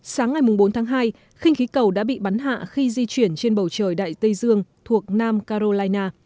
sáng ngày bốn tháng hai khinh khí cầu đã bị bắn hạ khi di chuyển trên bầu trời đại tây dương thuộc nam carolina